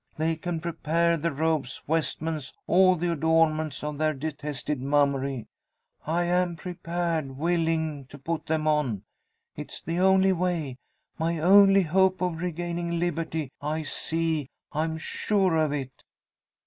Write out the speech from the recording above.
They can prepare the robes, vestments, all the adornments of their detested mummery; I am prepared, willing, to put them on. It's the only way my only hope of regaining liberty. I see am sure of it!"